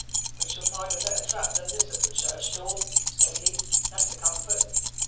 "We shall find a better trap than this at the church door," says he; "that's a comfort."